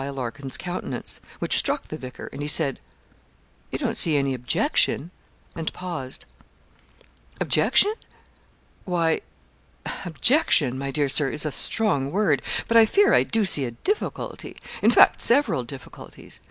Larkin's countenance, which struck the vicar, and he said 'You don't see any objection?' and paused. 'Objection? Why, objection, my dear Sir, is a strong word; but I fear I do see a difficulty in fact, several difficulties.